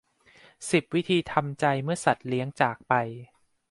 สิบ วิธีทำใจเมื่อสัตว์เลี้ยงจากไป